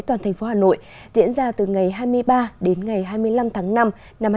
toàn thành phố hà nội diễn ra từ ngày hai mươi ba đến ngày hai mươi năm tháng năm năm hai nghìn hai mươi bốn